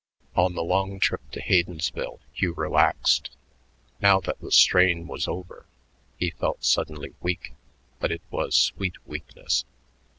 On the long trip to Haydensville Hugh relaxed. Now that the strain was over, he felt suddenly weak, but it was sweet weakness.